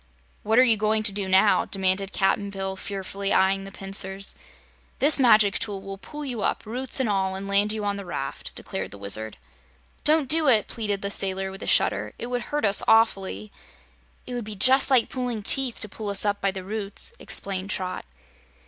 "What are you going to do now?" demanded Cap'n Bill, fearfully eyeing the pincers. "This magic tool will pull you up, roots and all, and land you on this raft," declared the Wizard. "Don't do it!" pleaded the sailor, with a shudder. "It would hurt us awfully." "It would be just like pulling teeth to pull us up by the roots," explained Trot.